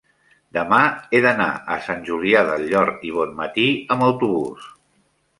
demà he d'anar a Sant Julià del Llor i Bonmatí amb autobús.